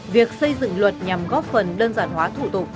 việc xây dựng luật nhằm góp phần đơn giản hóa thủ tục